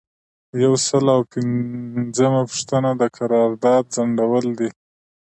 یو سل او پنځمه پوښتنه د قرارداد ځنډول دي.